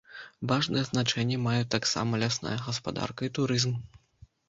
Важнае значэнне маюць таксама лясная гаспадарка і турызм.